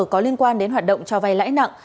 có liên quan đến hoạt động cho vay lãi nặng